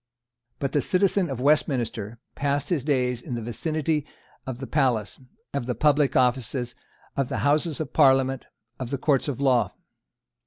But the citizen of Westminster passed his days in the vicinity of the palace, of the public offices, of the houses of parliament, of the courts of law.